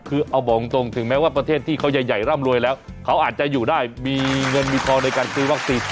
คือเอาบอกตรงถึงแม้ว่าประเทศที่เขาใหญ่ร่ำรวยแล้วเขาอาจจะอยู่ได้มีเงินมีทองในการซื้อวัคซีน